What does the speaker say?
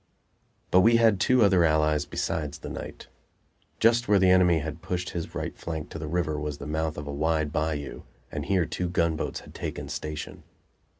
But we had two other allies besides the night. Just where the enemy had pushed his right flank to the river was the mouth of a wide bayou, and here two gunboats had taken station.